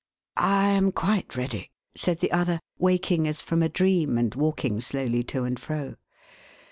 "I iiiii quite ready," said the other, waking as from a dream, and walking slowly to and fro.